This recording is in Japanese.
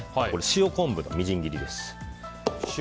塩昆布のみじん切りです。